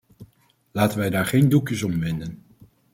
Laten wij daar geen doekjes om winden.